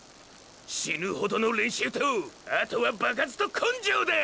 死ぬほどの練習とあとは場数と根性だ！！